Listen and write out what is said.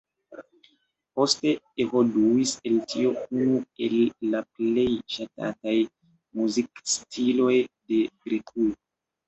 Poste evoluis el tio unu el la plej ŝatataj muzikstiloj de Grekujo.